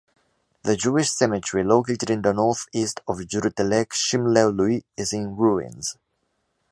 The Jewish cemetery, located in the north-east of Giurtelecu Șimleului, is in ruins.